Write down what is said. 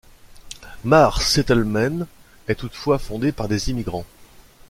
Marr Settlement est toutefois fondé par des immigrants.